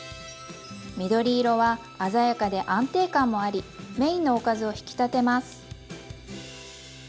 緑色は鮮やかで安定感もありメインのおかずを引き立てます。